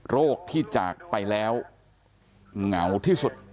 โรคที่จากไปแล้วเหงาที่สุด